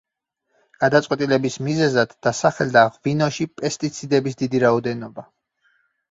გადაწყვეტილების მიზეზად დასახელდა ღვინოში პესტიციდების დიდი რაოდენობა.